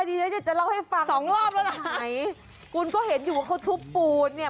เดี๋ยวฉันจะเล่าให้ฟังสองรอบแล้วนะไหนคุณก็เห็นอยู่ว่าเขาทุบปูนเนี่ย